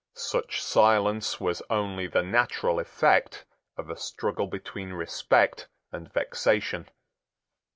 Such silence was only the natural effect of a struggle between respect and vexation.